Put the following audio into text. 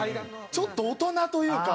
ちょっと大人というか。